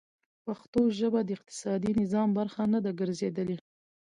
پښتو ژبه د اقتصادي نظام برخه نه ده ګرځېدلې.